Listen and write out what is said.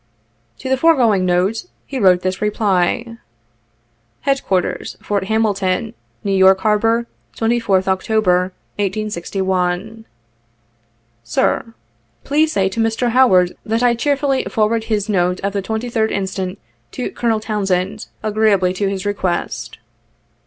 To the foregoing note, he wrote this reply : "Headquarters, Fort Hamilton, "New York Harbor, 24th October, 1861. "Sir: "Please say to Mr. Howard, that I cheerfully forward his note of the 23d inst. to Colonel Townsend, agreeably to his request.